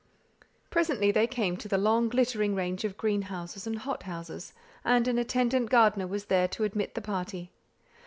Presently they came to the long glittering range of greenhouses and hothouses, and an attendant gardener was there to admit the party.